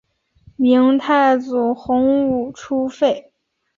明太祖洪武初废。